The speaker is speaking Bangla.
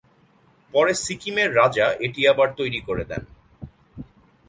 পরে সিক্কিমের রাজা এটি আবার তৈরি করে দেন।